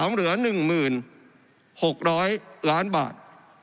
เหลือ๑๖๐๐ล้านบาท